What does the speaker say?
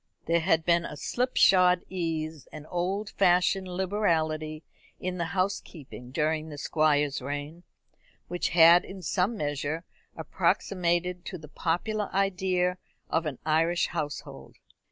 There had been a slipshod ease, an old fashioned liberality in the housekeeping during the Squire's reign, which had in some measure approximated to the popular idea of an Irish household.